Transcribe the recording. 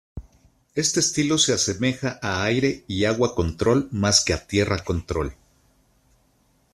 Este estilo se asemeja a Aire y Agua Control más que a Tierra Control.